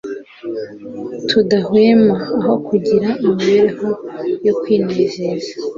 tudahwema, aho kugira imibereho yo kwinezeza.